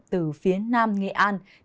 từ phía tây bắc bộ